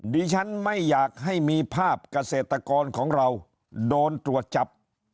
ดิฉันไม่อยากให้มีภาพเกษตรกรของเราโดนตรวจจับ